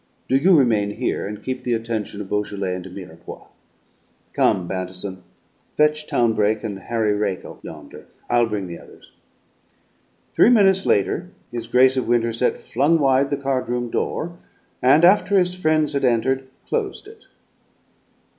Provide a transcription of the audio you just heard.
Do you remain here and keep the attention of Beaujolais and de Mirepoix. Come, Bantison, fetch Townbrake and Harry Rakell yonder; I'll bring the others." Three minutes later, his Grace of Winterset flung wide the card room door, and, after his friends had entered, closed it.